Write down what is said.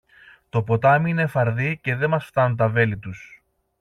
Το ποτάμι είναι φαρδύ και δε μας φθάνουν τα βέλη τους.